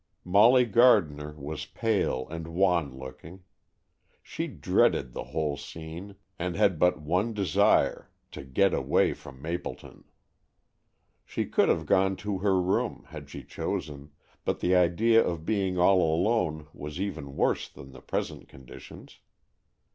Molly Gardner was pale and wan looking. She dreaded the whole scene, and had but one desire, to get away from Mapleton. She could have gone to her room, had she chosen, but the idea of being all alone was even worse than the present conditions.